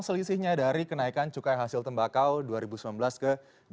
selisihnya dari kenaikan cukai hasil tembakau dua ribu sembilan belas ke dua ribu dua puluh